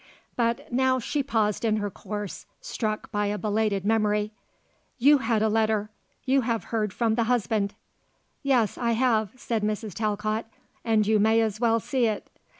But now she paused in her course, struck by a belated memory. "You had a letter. You have heard from the husband." "Yes, I have," said Mrs. Talcott, "and you may as well see it."